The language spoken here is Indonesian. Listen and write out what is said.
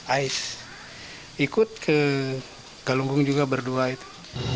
ais ikut ke galunggung juga berdua itu